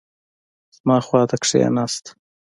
زما خوا ته کښېناست.